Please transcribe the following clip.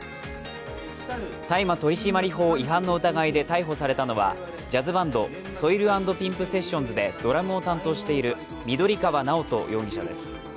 大麻取締法違反の疑いで逮捕されたのはジャズバンド・ＳＯＩＬ＆ＰＩＭＰＳＥＳＳＩＯＮＳでドラムを担当している緑川直人容疑者です。